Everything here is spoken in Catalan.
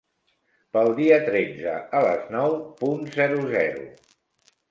Pel dia tretze a les nou punt zero zero.